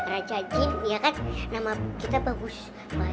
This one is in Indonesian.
raja jin ya kan nama kita bagus baik